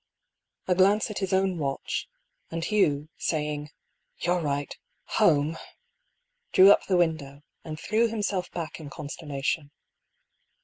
A glance at his own watch, and Hugh, saying, " You're right, Aowe," drew up the window, and threw himself back in consternation.